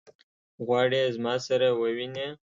غواړي زما سره وویني.